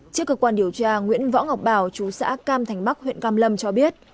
trước cơ quan điều tra nguyễn võ ngọc bảo chú xã cam thành bắc huyện cam lâm cho biết